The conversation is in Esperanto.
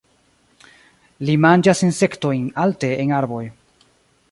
Ii manĝas insektojn alte en arboj.